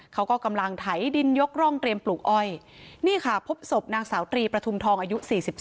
เขาก็กำลังไถดินยกร่องเตรียมปลูกอ้อยนี่ค่ะพบศพนางสาวตรีประทุมทองอายุ๔๒